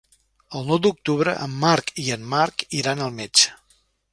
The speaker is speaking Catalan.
El nou d'octubre en Marc i en Marc iran al metge.